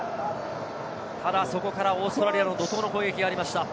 ただそこからオーストラリアの怒涛の攻撃がありました。